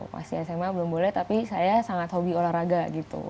masih sma belum boleh tapi saya sangat hobi olahraga gitu